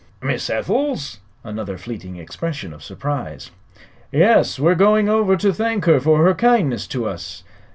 "Miss Ethel's?" Another fleeting expression of surprise. "Yes; we're going over to thank her for her kindness to us."